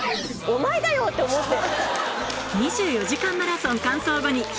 ・お前だよ！って思って。